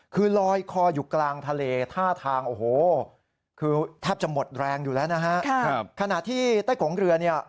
คือลอยคออยู่กลางทะเลท่าทางแทบจะหมดแรงอยู่แล้วนะฮะขณะที่ใต้กงเรือ